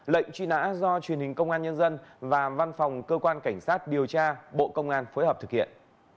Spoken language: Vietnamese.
lệnh truy nã do truyền hình công an nhân dân và văn phòng cơ quan cảnh sát điều tra bộ công an phối hợp thực hiện